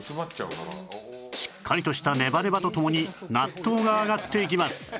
しっかりとしたネバネバとともに納豆が上がっていきます